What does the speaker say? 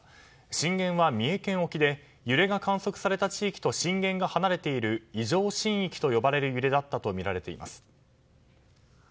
震源は三重県沖で揺れが観測された地域と震源が離れている異常震域と呼ばれる揺れだったとみられています。